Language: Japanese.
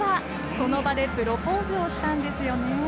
その場でプロポーズをしたんです。